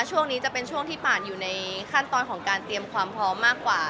ช่วงนี้จะเป็นช่วงที่ป่านอยู่ในขั้นตอนของการเตรียมความพร้อมมากกว่า